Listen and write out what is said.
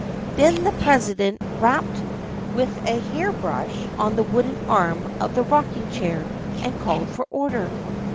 Then the president rapped with a hair brush on the wooden arm of the rock ing chair and called for order.